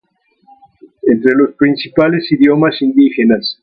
Entre los principales idiomas indígenas.